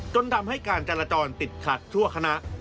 จนทำให้การจราจรติดขัดทั่วคณะ